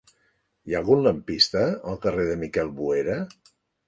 Hi ha algun lampista al carrer de Miquel Boera?